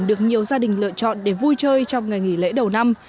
được nhiều gia đình lựa chọn để vui chơi trong ngày nghỉ lễ đầu năm